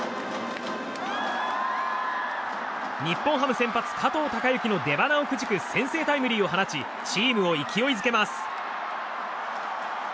日本ハム先発、加藤貴之の出鼻をくじく先制タイムリーを放ちチームを勢いづけます。